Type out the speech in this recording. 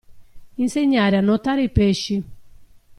Insegnare a nuotare i pesci.